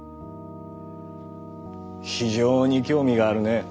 非常に興味があるね。